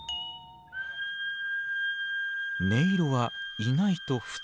音色は意外と普通。